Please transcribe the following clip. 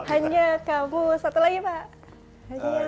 oh satu lagi pak